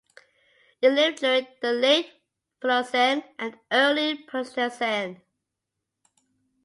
It lived during the Late Pliocene and Early Pleistocene.